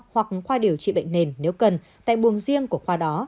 hoặc khoa điều trị bệnh nền nếu cần tại buồng riêng của khoa đó